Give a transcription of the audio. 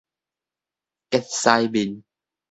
結屎臉